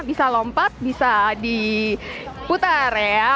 bisa lompat bisa diputar ya